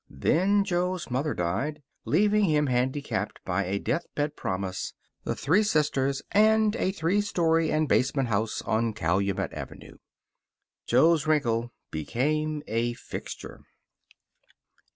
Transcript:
Then Jo's mother died, leaving him handicapped by a deathbed promise, the three sisters, and a three story and basement house on Calumet Avenue. Jo's wrinkle became a fixture.